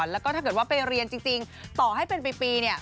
แล้วก็ถ้าเกิดว่าไปเรียนจริงต่อให้เป็นปีเนี่ย